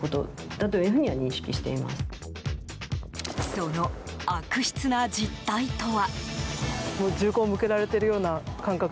その悪質な実態とは？